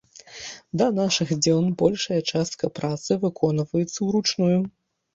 Да нашых дзён большая частка працы выконваецца ўручную.